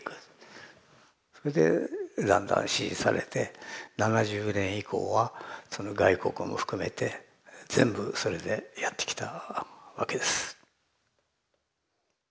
それでだんだん支持されて７０年以降は外国も含めて全部それでやってきたわけです。